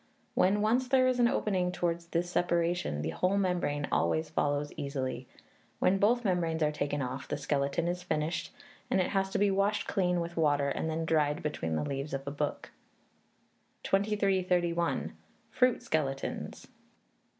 When once there is an opening towards this separation, the whole membrane always follows easily; when both membranes are taken off, the skeleton is finished, and it has to be washed clean with water, and then dried between the leaves of a book. 2331. Fruit Skeletons.